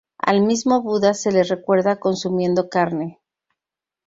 Al mismo Buda se le recuerda consumiendo carne.